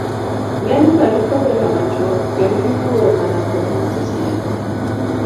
ng'eny barupe bet ga machuok kendo giwuoyo mana kuom wach achiel